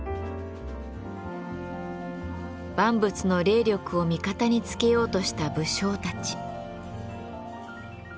万物の霊力を味方につけようとした武将たち。